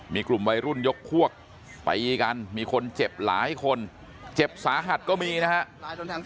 มีกลุ่มวัยรุ่นยกพวกตีกันมีคนเจ็บหลายคนเจ็บสาหัสก็มีนะครับ